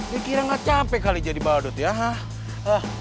dia kira gak capek kali jadi badut ya hah